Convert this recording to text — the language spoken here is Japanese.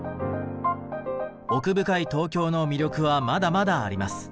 奥深い東京の魅力はまだまだあります。